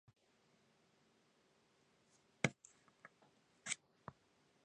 They shout and caper about in a fine frenzy.